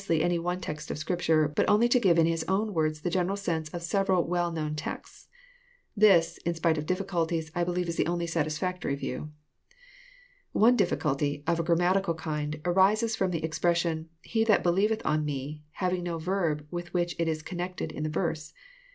vjiQyj>ne text of Scripture, but only to give in HLs own words the general sense of several well known texts. This, in spite of difficulties, I believe is the oxUj satisfactory view. One difficulty, of a grammatical kind, arises ft*om the expres sion, '* He that believeth on me," having no verb with which it is connected in the velrse.